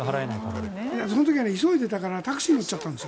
その時は急いでいたからタクシーに乗っちゃったんです。